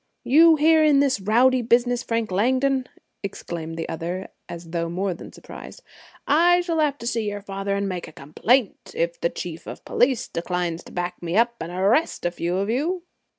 You here in this rowdy business, Frank Langdon!" exclaimed the other, as though more than surprised. "I shall have to see your father and make complaint, if the Chief of Police declines to back me up and arrest a few of you."